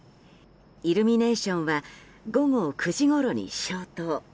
イルミネーションは午後９時ごろに消灯。